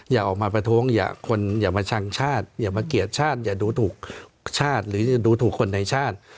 อย่าออกมาประท้วงอย่าคนอย่ามาชังชาติอย่ามาเกลียดชาติอย่าดูถูกชาติหรือดูถูกคนในชาติ